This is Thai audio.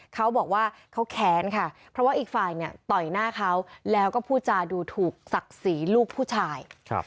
เขาบอกว่าเขาแค้นค่ะเพราะว่าอีกฝ่ายเนี่ยต่อยหน้าเขาแล้วก็พูดจาดูถูกศักดิ์ศรีลูกผู้ชาย